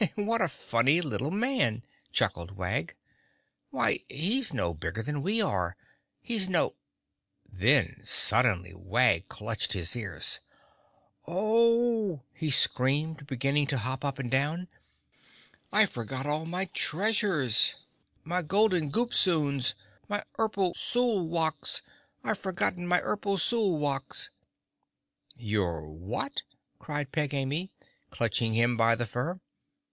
"What a funny little man," chuckled Wag. "Why, he's no bigger than we are. He's no—!" Then suddenly Wag clutched his ears. "Oh!" he screamed, beginning to hop up and down, "I forgot all my treasures—my olden goop soons. Oh! Oh! My urple sool wocks! I've forgotten my urple sool wocks!" "Your what?" cried Peg Amy, clutching him by the fur.